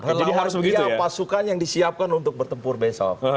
relawan pasukan yang disiapkan untuk bertempur besok